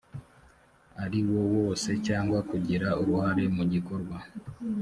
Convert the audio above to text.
ariwo wose cyangwa kugira uruhare mu gikorwa